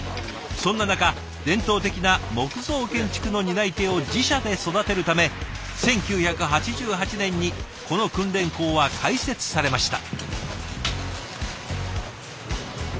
そんな中伝統的な木造建築の担い手を自社で育てるため１９８８年にこの訓練校は開設されました。